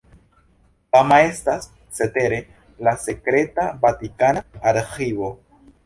Fama estas cetere la sekreta vatikana arĥivo.